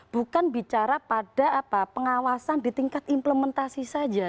bukan bicara pada pengawasan di tingkat implementasi saja